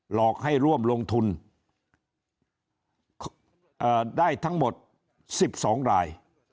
หลอกให้ร่วมลงทุนเอ่อได้ทั้งหมดสิบสองราย